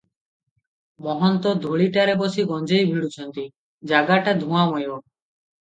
ମହନ୍ତ ଧୂଳିଟାରେ ବସି ଗଞ୍ଜେଇ ଭିଡୁଛନ୍ତି, ଜାଗାଟା ଧୂଆଁମୟ ।